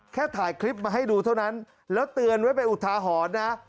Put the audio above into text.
ถ่ายคลิปมาให้ดูเท่านั้นแล้วเตือนไว้เป็นอุทาหรณ์นะ